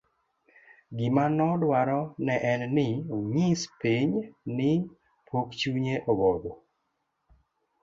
gimanoduaro ne en ni onyis piny ni pok chunye obotho